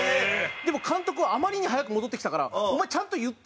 でも監督はあまりに早く戻ってきたから「お前ちゃんと言った？」